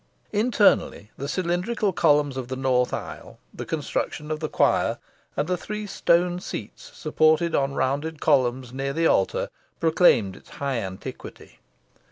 Internally, the cylindrical columns of the north aisle, the construction of the choir, and the three stone seats supported on rounded columns near the altar, proclaimed its high antiquity.